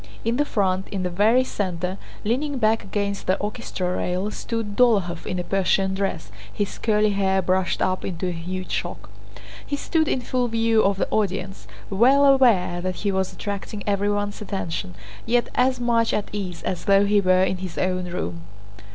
In the front, in the very center, leaning back against the orchestra rail, stood Dólokhov in a Persian dress, his curly hair brushed up into a huge shock. He stood in full view of the audience, well aware that he was attracting everyone's attention, yet as much at ease as though he were in his own room.